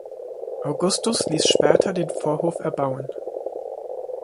Augustus ließ später den Vorhof erbauen.